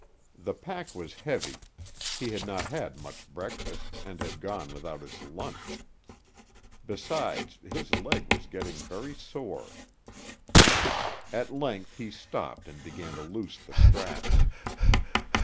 The pack was heavy, he had not had much breakfast and had gone without his lunch. Besides, his leg was getting very sore. At length he stopped and began to loose the straps.